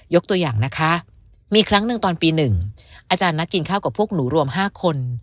ตัวอย่างนะคะมีครั้งหนึ่งตอนปี๑อาจารย์นัดกินข้าวกับพวกหนูรวม๕คน